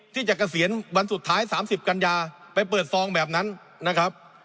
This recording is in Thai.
เกษียณวันสุดท้าย๓๐กันยาไปเปิดซองแบบนั้นนะครับ